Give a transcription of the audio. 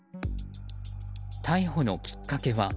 逮捕のきっかけは。